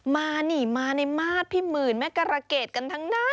มานี่มาในมาตรพี่หมื่นแม่กรเกดกันทั้งนั้น